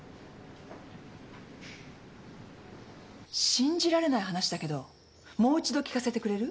信じられない話だけどもう一度聞かせてくれる？